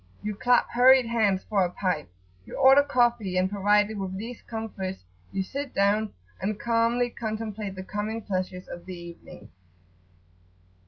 You clap hurried hands[FN#9] for a pipe; you order coffee; and provided with these comforts, you sit down, and calmly contemplate the coming pleasures of the evening.